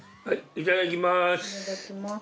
いただきます。